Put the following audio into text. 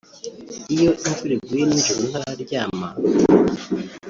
iyo imvura iguye n’ijoro ntararyama